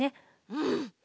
うん。